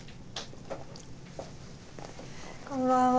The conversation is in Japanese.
こんばんは。